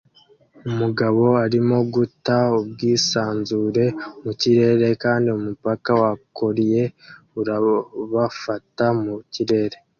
Umugabo arimo guta ubwisanzure mu kirere kandi umupaka wa collie urabafata mu kirere